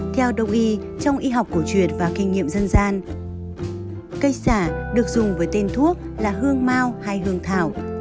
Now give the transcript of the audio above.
theo đồng ý trong y học cổ truyệt và kinh nghiệm dân gian cây sả được dùng với tên thuốc là hương mau hay hương thảo